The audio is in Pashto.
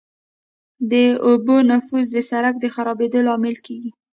د اوبو نفوذ د سرک د خرابېدو لامل کیږي